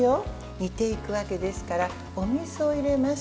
煮ていくわけですからお水を入れます。